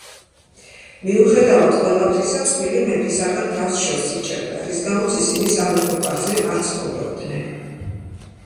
მიუხედავად ყველაფრისა, წყვილი მეფისაგან თავს შორს იჭერდა, რის გამოც ისინი სამეფო კარზე არ ცხოვრობდნენ.